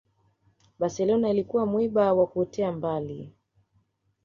barcelona ilikuwa mwiba wa kuotea mbali